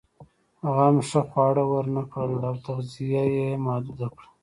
غنم ښه خواړه ورنهکړل او تغذیه یې محدوده کړه.